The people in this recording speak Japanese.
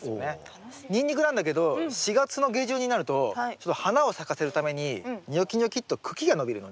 ニンニクなんだけど４月の下旬になるとちょっと花を咲かせるためにニョキニョキっと茎が伸びるのね。